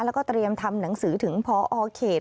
แล้วก็เตรียมทำหนังสือถึงพอเขต